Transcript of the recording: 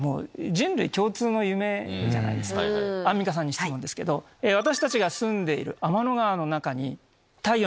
アンミカさんに質問ですけど私たちが住んでいる。